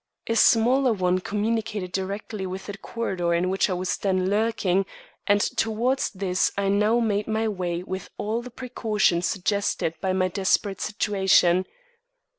A smaller one communicated directly with the corridor in which I was then lurking, and towards this I now made my way with all the precaution suggested by my desperate situation.